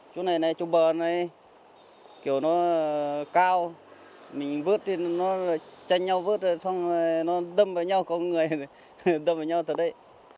chỗ này này chỗ bờ này kiểu nó cao mình vứt thì nó tranh nhau vứt rồi xong rồi nó đâm vào nhau có người đâm vào nhau tới đây